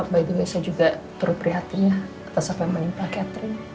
baik juga saya juga terperhatinya atas apa yang menimpa catherine